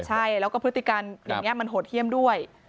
ใช่แล้วก็พฤติการอย่างนี้มันโหดเยี่ยมด้วย